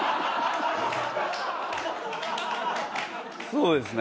そうですね。